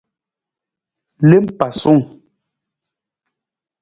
Lem pasaawung.